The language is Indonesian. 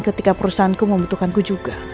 ketika perusahaanku membutuhkanku juga